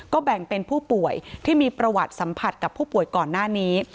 แบ่งเป็นผู้ป่วยที่มีประวัติสัมผัสกับผู้ป่วยก่อนหน้านี้